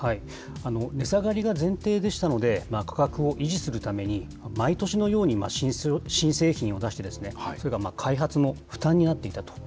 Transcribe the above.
値下がりが前提でしたので、価格を維持するために毎年のように新製品を出して、それが開発の負担になっていたと。